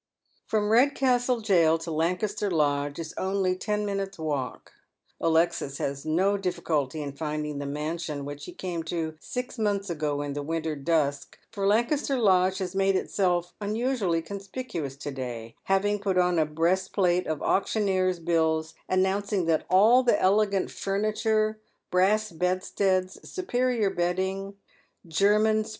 From Redcastle Jail to Lancaster Lodge is only ten minutes' walk. Alexis has no difficulty in finding the mansion which he came to six months ago in the winter dusk, for Lancaster Lodge has made itself unusually conspicuous to day, having put on a breastplate of auctioneer's bills, announcing that all the elegant fmniture; brass bedsteads, superior bedding, German gprit